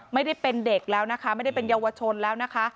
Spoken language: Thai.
ไม่ได้เป็นเด็กแล้วนะคะไม่ได้เป็นเยาวชนแล้วนะคะ